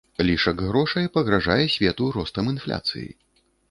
Лішак грошай пагражае свету ростам інфляцыі.